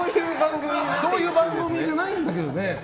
そういう番組じゃないんだけどね。